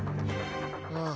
ああ。